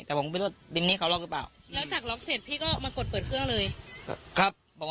ทุกทีผมจะลองเครื่องก่อน